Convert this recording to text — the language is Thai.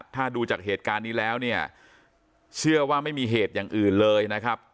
ถ้าดูจากเหตุการณ์นี้แล้วเนี่ยเชื่อว่าไม่มีเหตุอย่างอื่นเลยนะครับ